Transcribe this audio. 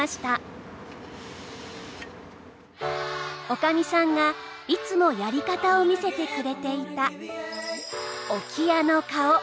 女将さんがいつもやり方を見せてくれていた置屋の顔